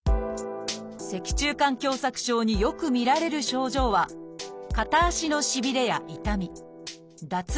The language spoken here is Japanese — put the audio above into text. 脊柱管狭窄症によく見られる症状は片足の「しびれ」や「痛み」「脱力感」です